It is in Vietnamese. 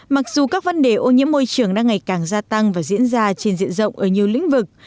mặc dù các vấn đề ô nhiễm môi trường đang ngày càng gia tăng và diễn ra trên diện rộng ở nhiều lĩnh vực